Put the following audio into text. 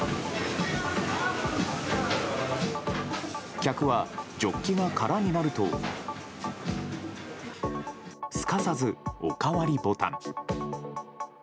客はジョッキが空になるとすかさず、おかわりボタン。